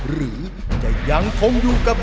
หรือจะยังคงอยู่กับ